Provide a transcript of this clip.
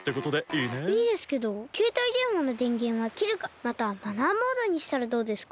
いいですけどけいたいでんわのでんげんはきるかまたはマナーモードにしたらどうですか？